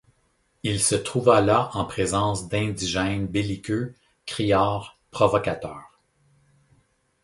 Il se trouva là en présence d’indigènes belliqueux, criards, provocateurs.